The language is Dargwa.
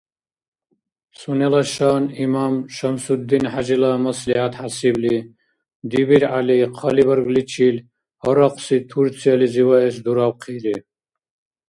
Сунела шан имам ШамсудинхӀяжила маслигӀят хӀясибли, ДибиргӀяли хъалибаргличил гьарахъси Турциялизи ваэс дуравхъири.